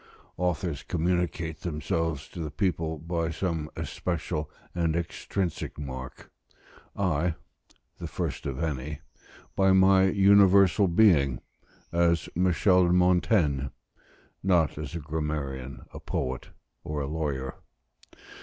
Authors communicate themselves to the people by some especial and extrinsic mark; I, the first of any, by my universal being; as Michel de Montaigne, not as a grammarian, a poet, or a lawyer.